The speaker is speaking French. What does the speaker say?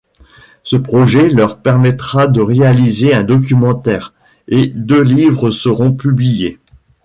Ce projet leur permettra de réaliser un documentaire et, deux livres seront publiés.